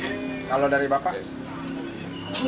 kalau dari bapak